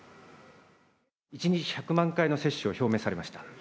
１日１００万回の接種を表明されました。